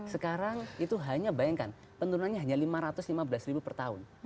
sekarang itu hanya bayangkan penurunannya hanya lima ratus lima belas ribu per tahun